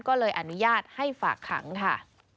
ก็เลยอนุญาตให้ฝากขังค่ะ